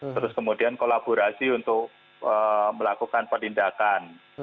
terus kemudian kolaborasi untuk melakukan penindakan